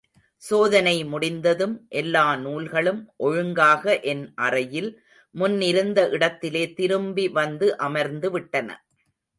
சோதனை முடிந்ததும் எல்லாநூல்களும் ஒழுங்காக என் அறையில், முன் இருந்த இடத்திலே திரும்பி வந்து அமர்ந்துவிட்டன.